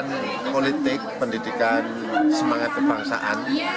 pendidikan politik pendidikan semangat kebangsaan